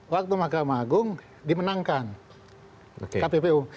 waktu mahkamah agung dimenangkan kpu kpu